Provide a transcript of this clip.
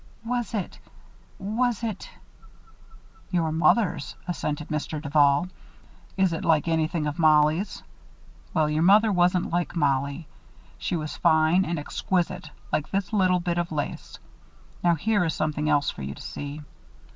"Was it was it " "Your mother's," assented Mr. Duval. "Is it like anything of Mollie's? Well, your mother wasn't like Mollie. She was fine and exquisite like this little bit of lace. Now, here is something else for you to see."